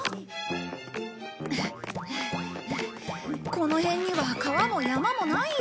この辺には川も山もないよ。